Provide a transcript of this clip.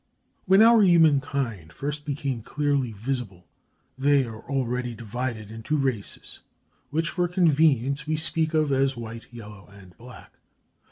When our humankind first become clearly visible they are already divided into races, which for convenience we speak of as white, yellow, and black.